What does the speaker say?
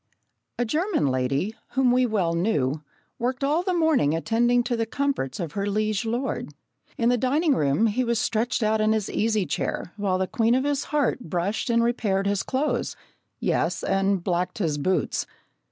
A German lady, whom we well knew, worked all the morning attending to the comforts of her liege lord. In the dining room he was stretched out in an easy chair, while the queen of his heart brushed and repaired his clothes yes, and blacked his boots!